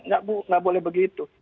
enggak bu enggak boleh begitu